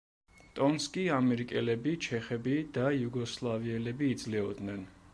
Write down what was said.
ტონს კი ამერიკელები, ჩეხები და იუგოსლავიელები იძლეოდნენ.